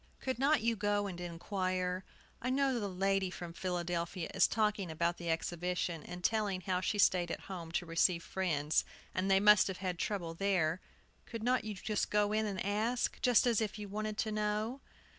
"Could not you go and inquire? I know the lady from Philadelphia is talking about the Exhibition, and telling how she stayed at home to receive friends. And they must have had trouble there! Could not you go in and ask, just as if you wanted to know?"